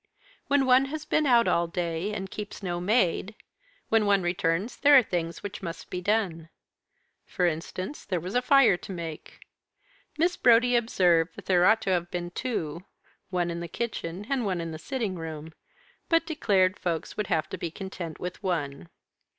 When one has been out all day, and keeps no maid, when one returns there are things which must be done. For instance, there was a fire to make. Miss Brodie observed that there ought to have been two, one in the kitchen, and one in the sitting room; but declared that folks would have to be content with one.